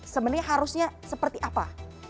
sebenarnya harusnya seperti apa